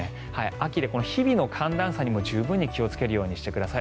秋で日々の寒暖差にも十分に気をつけるようにしてください。